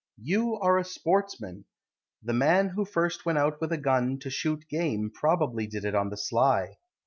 You are a sportsman. The man who first went out with a gun To shoot game Probably did it on the sly.